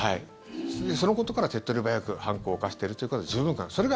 そのことから手っ取り早く犯行を犯してるということは十分考えられる。